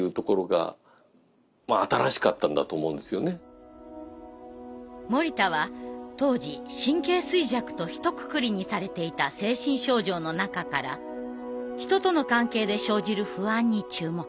社交不安症というか森田は当時神経衰弱とひとくくりにされていた精神症状の中から人との関係で生じる不安に注目。